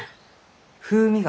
風味が！